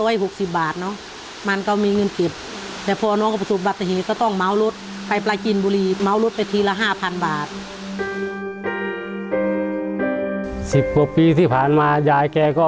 ยายแก้ก็นั่งอุ้มหลานไป